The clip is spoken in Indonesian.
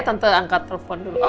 tante angkat telepon dulu